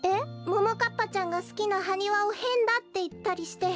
ももかっぱちゃんがすきなハニワをへんだっていったりして。